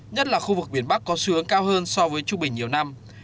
nhất là khu vực biển bắc có xu hướng cao hơn so với trung bình nhiều năm